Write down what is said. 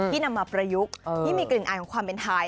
นำมาประยุกต์ที่มีกลิ่นอายของความเป็นไทย